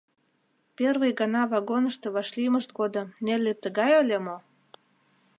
Первый гана вагонышто вашлиймышт годым Нелли тыгай ыле мо?